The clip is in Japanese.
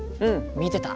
見てた。